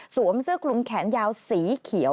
เสื้อคลุมแขนยาวสีเขียว